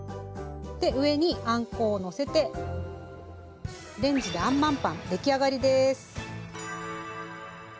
上にあんこをのせてレンジであんまんパンできあがりです。